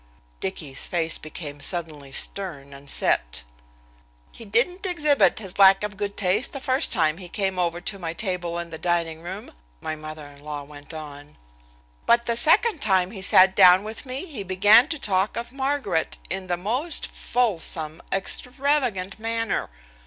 Dicky's face became suddenly stern and set. "He didn't exhibit his lack of good taste the first time he came over to my table in the dining room," my mother in law went on. "But the second time he sat down with me he began to talk of Margaret in the most fulsome, extravagant manner.